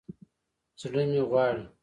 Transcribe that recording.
زړه مې غواړي